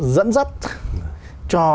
dẫn dắt cho